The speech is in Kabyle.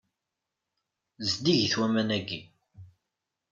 Zeddigit waman-agi.